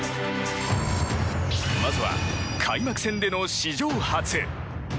まずは開幕戦での史上初。